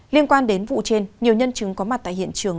liên quan đến vụ trên nhiều nhân chứng có mặt tại hiện trường